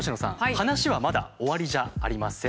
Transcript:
話はまだ終わりじゃありません。